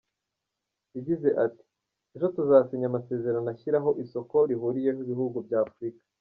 Yagize ati “ Ejo tuzasinya amasezerano ashyiraho Isoko Rihuriweho n’Ibihugu bya Afurika.